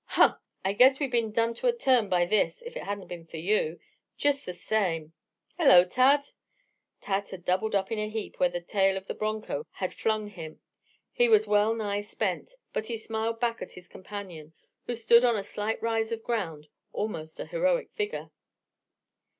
"Hah! I guess we'd been done to a turn by this if it hadn't been for you, just the same. Hello, Tad!" Tad had doubled up in a heap where the tail of the broncho had flung him. He was well nigh spent, but he smiled back at his companion, who stood on a slight rise of ground, almost a heroic figure.